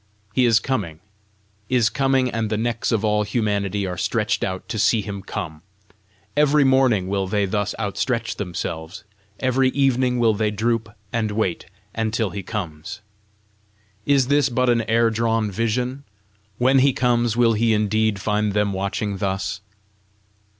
He is coming, is coming, and the necks of all humanity are stretched out to see him come! Every morning will they thus outstretch themselves, every evening will they droop and wait until he comes. Is this but an air drawn vision? When he comes, will he indeed find them watching thus?